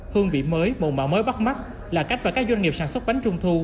hương vị mới mộng mạo mới bắt mắt là cách mà các doanh nghiệp sản xuất bánh trung thu